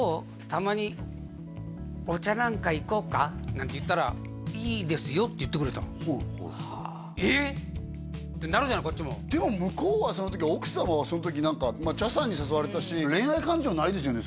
たまにお茶なんか行こうか？」なんて言ったら「いいですよ」って言ってくれたのはいはいえっ！？ってなるじゃないこっちもでも向こうはその時奥様はその時何かまあ茶さんに誘われたし恋愛感情ないですよね？